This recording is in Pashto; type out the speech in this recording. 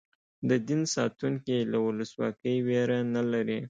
د دین ساتونکي له ولسواکۍ وېره نه لري.